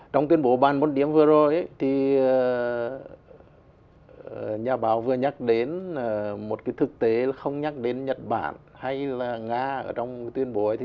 trong tuyên bố bản môn điếm vừa rồi thì nhà báo vừa nhắc đến một thực tế không nhắc đến nhật bản hay là nga trong tuyên bố ấy